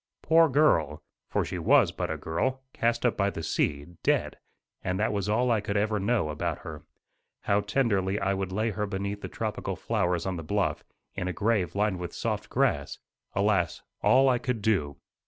Poor girl for she was but a girl cast up by the sea, dead; and that was all I could ever know, about her. How tenderly I would lay her beneath the tropical flowers on the bluff, in a grave lined with soft grass! alas, all I could do.